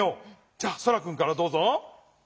じゃあそらくんからどうぞ。